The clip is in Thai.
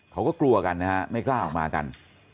เขาก็กลัวกันนะฮะไม่กล้าออกมากัน